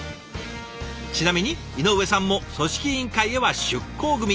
ちなみに井上さんも組織委員会へは出向組。